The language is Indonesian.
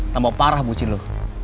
tambah parah bucin lo